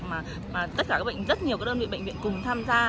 mà tất cả các bệnh rất nhiều các đơn vị bệnh viện cùng tham gia